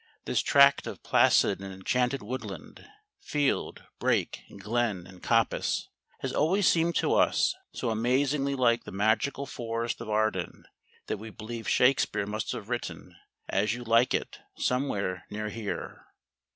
This tract of placid and enchanted woodland, field, brake, glen, and coppice, has always seemed to us so amazingly like the magical Forest of Arden that we believe Shakespeare must have written "As You Like It" somewhere near here.